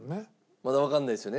まだわかんないですよね。